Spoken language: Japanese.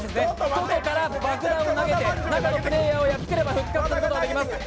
外から爆弾を投げて中のプレーヤーにぶつければ復活することができます。